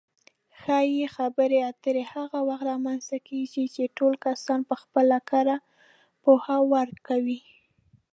ښې خبرې اترې هغه وخت رامنځته کېږي چې ټول کسان پخپله کره پوهه ورکوي.